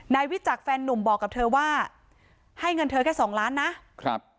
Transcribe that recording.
วิจักษ์แฟนนุ่มบอกกับเธอว่าให้เงินเธอแค่สองล้านนะครับ